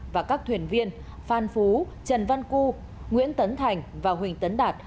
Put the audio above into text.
và các thuyền viên phan phú trần văn cư nguyễn tấn thành và huỳnh tấn đạt